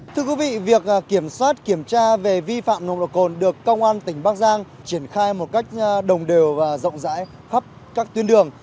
thưa quý vị việc kiểm soát kiểm tra về vi phạm nồng độ cồn được công an tỉnh bắc giang triển khai một cách đồng đều và rộng rãi khắp các tuyến đường